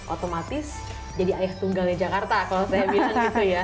otomatis jadi ayah tunggalnya jakarta kalau saya bilang gitu ya